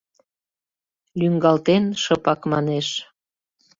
Лӱҥгалтен, шыпак манеш: